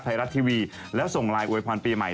ไทยรัฐทีวีแล้วส่งไลน์อวยพรปีใหม่